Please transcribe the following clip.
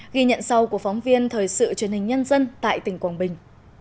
ghi nhận sau của phóng viên thời sự truyền hình nhân dân tại tỉnh quảng bình